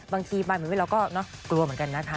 บางทีบ้านหรือไว้เราก็กลัวเหมือนกันนะคะ